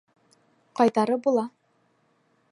Ҡайтарып була!